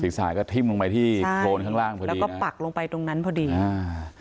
สายก็ทิ้มลงไปที่โครนข้างล่างพอดีแล้วก็ปักลงไปตรงนั้นพอดีอ่า